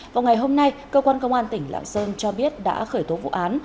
vào ngày hôm nay cơ quan công an tỉnh lạng sơn cho biết đã khởi tố vụ án